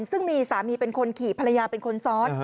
ซึ่งมีสามีเป็นคนขี่ภรรยาเป็นคนซ้อน